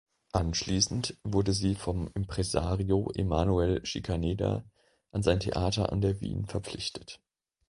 Anschließend wurde sie vom Impresario Emanuel Schikaneder an sein Theater an der Wien verpflichtet.